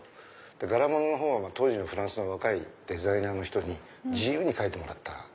柄物のほうは当時のフランスの若いデザイナーの人に自由に描いてもらった。